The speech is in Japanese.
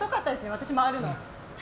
私、回るの。